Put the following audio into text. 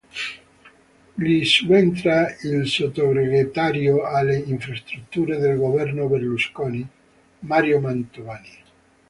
Gli subentra il Sottosegretario alle Infrastrutture del Governo Berlusconi Mario Mantovani..